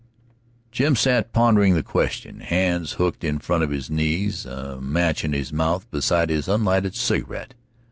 Jim sat pondering the question, hands hooked in front of his knees, a match in his mouth beside his unlighted cigarette.